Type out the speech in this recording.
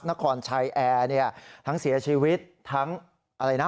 นครชัยแอร์เนี่ยทั้งเสียชีวิตทั้งอะไรนะ